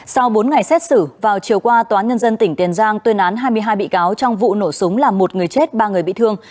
sau bốn ngày xét xử vào chiều qua tòa án nhân dân tỉnh tiền giang tuyên án hai mươi hai bị cáo trong vụ nổ súng làm một người chết ba người bị thương